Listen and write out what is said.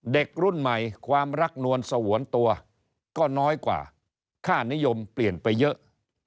เด็กรุ่นใหม่ความรักนวลสงวนตัวก็น้อยกว่าค่านิยมเปลี่ยนไปเยอะ